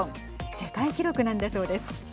世界記録なんだそうです。